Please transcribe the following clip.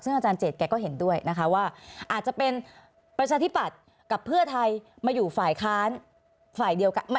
ซึ่งอาจารย์เจตแกก็เห็นด้วยนะคะว่าอาจจะเป็นประชาธิปัตย์กับเพื่อไทยมาอยู่ฝ่ายค้านฝ่ายเดียวกัน